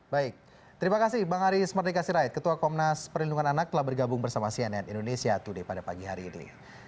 baik terima kasih bang haris merdeka sirait ketua komnas perlindungan anak telah bergabung bersama cnn indonesia today pada pagi hari ini